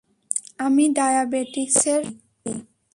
আমি ডায়াবেটিসের রোগী।